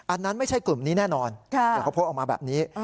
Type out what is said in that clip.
อันนั้นไม่ใช่กลุ่มนี้แน่นอนเขาโพสต์ออกมาแบบนี้